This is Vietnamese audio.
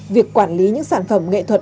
việc quản lý những sản phẩm nghệ thuật